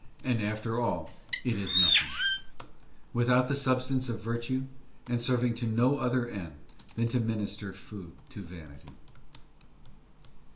And after all it is nothing: without the substance of virtue, and serving to no other end than to minister food to vanity.